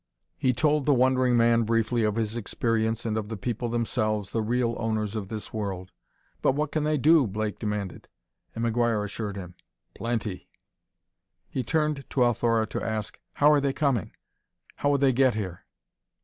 He told the wondering man briefly of his experience and of the people themselves, the real owners of this world. "But what can they do?" Blake demanded. And McGuire assured him: "Plenty!" He turned to Althora to ask, "How are they coming? How will they get here?"